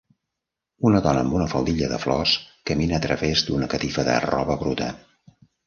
Una dona amb una faldilla de flors camina a través d'una catifa de roba bruta